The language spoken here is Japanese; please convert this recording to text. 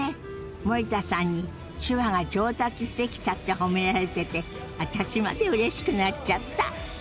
森田さんに手話が上達してきたって褒められてて私までうれしくなっちゃった！